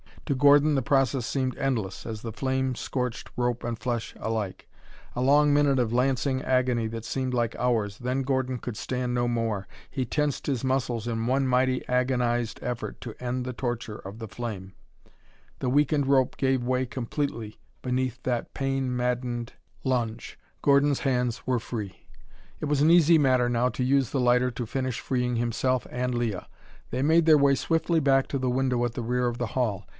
To Gordon the process seemed endless as the flame scorched rope and flesh alike. A long minute of lancing agony that seemed hours then Gordon could stand no more. He tensed his muscles in one mighty agonized effort to end the torture of the flame. The weakened rope gave way completely beneath that pain maddened lunge. Gordon's hands were free. It was an easy matter now to use the lighter to finish freeing himself and Leah. They made their way swiftly back to the window at the rear of the hall.